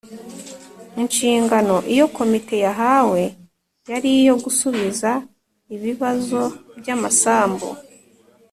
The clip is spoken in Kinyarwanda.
Inshingano iyo Komite yahawe yari iyo gusubiza ibibazo by’amasambu